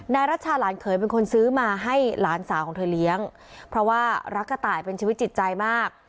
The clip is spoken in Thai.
รัชชาหลานเขยเป็นคนซื้อมาให้หลานสาวของเธอเลี้ยงเพราะว่ารักกระต่ายเป็นชีวิตจิตใจมาก